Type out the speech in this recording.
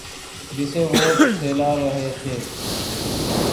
جسے وہ پھیلا رہے تھے۔